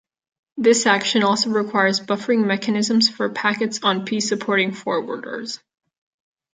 This action also requires buffering mechanisms for packets on p-supporting forwarders.